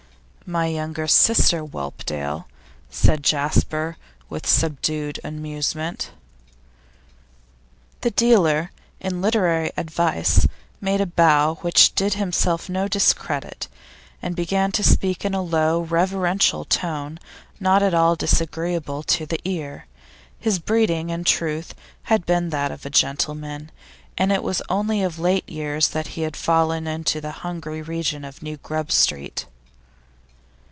'My younger sister, Whelpdale,' said Jasper, with subdued amusement. The dealer in literary advice made a bow which did him no discredit, and began to speak in a low, reverential tone not at all disagreeable to the ear. His breeding, in truth, had been that of a gentleman, and it was only of late years that he had fallen into the hungry region of New Grub Street.